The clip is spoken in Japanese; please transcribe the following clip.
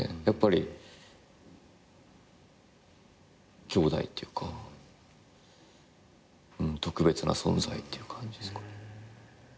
やっぱりきょうだいっていうか特別な存在っていう感じですかね。